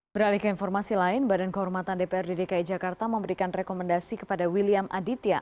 beralih ke informasi lain badan kehormatan dprd dki jakarta memberikan rekomendasi kepada william aditya